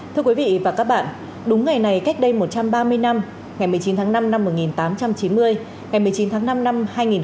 thưa quý vị và các bạn đúng ngày này cách đây một trăm ba mươi năm ngày một mươi chín tháng năm năm một nghìn tám trăm chín mươi ngày một mươi chín tháng năm năm hai nghìn hai mươi